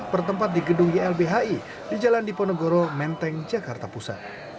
bertempat di gedung ylbhi di jalan diponegoro menteng jakarta pusat